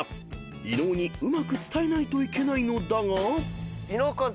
［伊野尾にうまく伝えないといけないのだが］